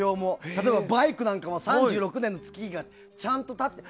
例えば、バイクなんかも３６年の月日がちゃんと経ってて。